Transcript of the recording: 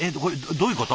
どういうこと？